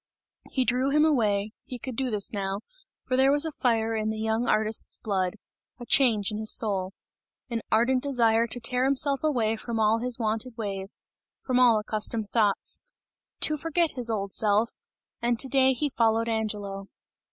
He drew him away, he could do this now, for there was a fire in the young artist's blood, a change in his soul; an ardent desire to tear himself away from all his wonted ways, from all accustomed thoughts; to forget his old self and to day he followed Angelo.